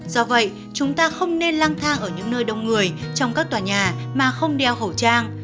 do vậy chúng ta không nên lang thang ở những nơi đông người trong các tòa nhà mà không đeo khẩu trang